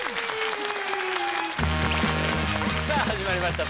さあ始まりました